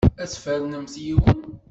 Ad tfernemt yiwen.